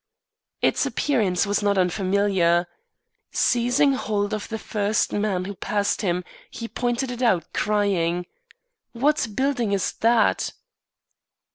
Its appearance was not unfamiliar. Seizing hold of the first man who passed him, he pointed it out, crying: "What building is that?"